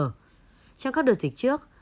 trong các đợt dịch trước